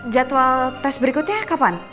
jadwal tes berikutnya kapan